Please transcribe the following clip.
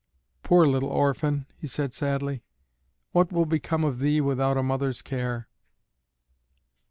"Poor little orphan," he said sadly, "what will become of thee without a mother's care?"